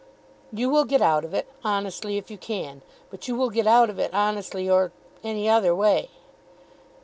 "You will get out of it, honestly if you can; but you will get out of it honestly or any other way."